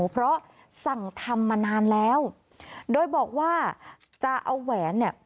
เพราะสั่งทำมานานแล้วโดยบอกว่าจะเอาแหวนเนี่ย